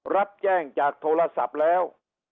รับแจ้งจากโทรศัพท์แล้ว